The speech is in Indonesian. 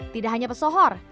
tidak hanya pesohor